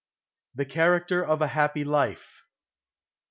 THE CHARACTER OF A HAPPY LIFE.